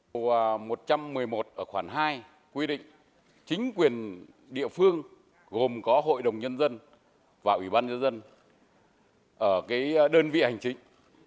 điều một trăm một mươi một ở khoảng hai quy định chính quyền địa phương gồm có hội đồng nhân dân và ủy ban nhân dân ở đơn vị hành chính